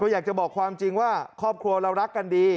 อยากจะบอกความจริงว่าครอบครัวเรารักกันดี